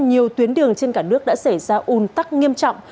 nhiều tuyến đường trên cả nước đã xảy ra un tắc nghiêm trọng